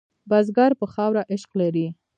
بزګر په خاوره عشق لري